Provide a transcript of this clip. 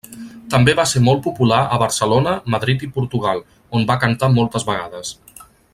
També va ser molt popular a Barcelona, Madrid i Portugal, on va cantar moltes vegades.